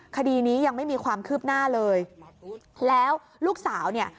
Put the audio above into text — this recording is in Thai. คดีนี้ยังไม่มีความคืบหน้าเลยแล้วลูกสาวเนี่ย